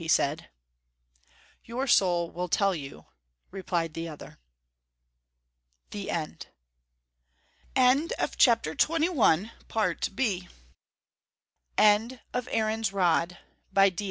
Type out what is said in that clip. he said. "Your soul will tell you," replied the other. THE END End of the Project Gutenberg EBook of Aaron's Rod, by D.